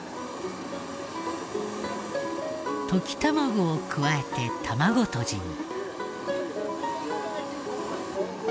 溶き卵を加えて卵とじに。